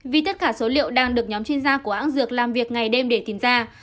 vì tất cả số liệu đang được nhóm chuyên gia của hãng dược làm việc ngày đêm để tìm ra